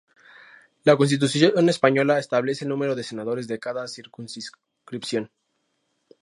La Constitución española establece el número de senadores de cada circunscripción.